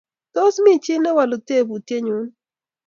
Tos mi chi ne wolu tebutyenyun ii?